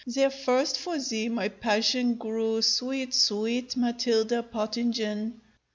There first for thee my passion grew, Sweet, sweet Matilda Pottingen!